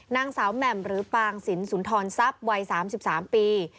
นางสาวแหม่มหรือปางสินสุนทรทรัพย์วัย๓๓ปี